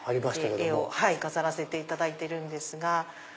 絵を飾らせていただいてるんですが。